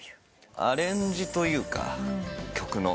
アレンジというか曲の。